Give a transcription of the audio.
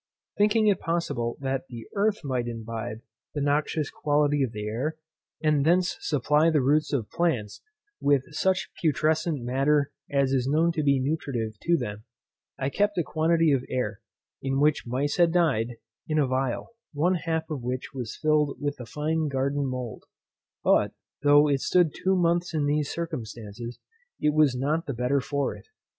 Thinking it possible that the earth might imbibe the noxious quality of the air, and thence supply the roots of plants with such putrescent matter as is known to be nutritive to them, I kept a quantity of air, in which mice had died, in a phial, one half of which was filled with fine garden mould; but, though it stood two months in these circumstances, it was not the better for it.